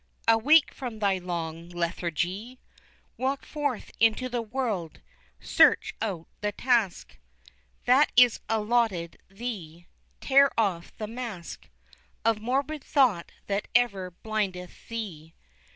awake from thy long lethargy; Walk forth into the world, search out the task That is allotted thee; tear off the mask Of morbid thought that ever blindeth thee.